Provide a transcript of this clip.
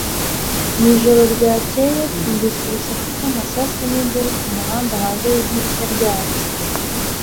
Mu ijoro ryakeye, twumvise urusaku rw'amasasu n'induru ku muhanda hanze y'idirishya ryacu.